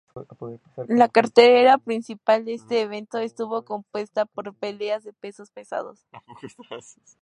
La cartelera principal de este evento estuvo compuesta por peleas de pesos pesados.